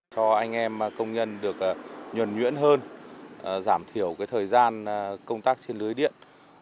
cho anh em công nhân được nhuẩn nhuyễn hơn giảm thiểu thời gian công tác trên lưới điện